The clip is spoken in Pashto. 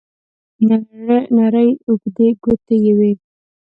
نرۍ اوږدې ګوتې یې وې.